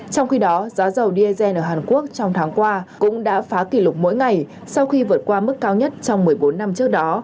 trong khi đó giá dầu diesel ở hàn quốc trong tháng qua cũng đã phá kỷ lục mỗi ngày sau khi vượt qua mức cao nhất trong một mươi bốn năm trước đó